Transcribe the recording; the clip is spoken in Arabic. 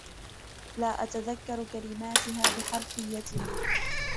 لا أتذكر كلماتها بحَرفيّتها.